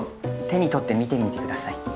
手に取って見てみてください。